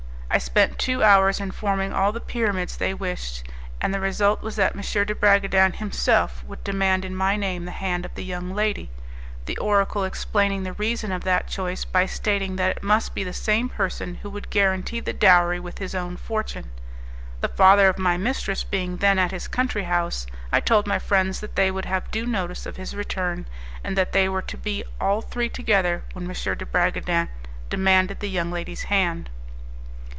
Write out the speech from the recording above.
I spent two hours in forming all the pyramids they wished, and the result was that M. de Bragadin himself would demand in my name the hand of the young lady; the oracle explaining the reason of that choice by stating that it must be the same person who would guarantee the dowry with his own fortune. The father of my mistress being then at his country house, I told my friends that they would have due notice of his return, and that they were to be all three together when M. de Bragadin demanded the young lady's hand.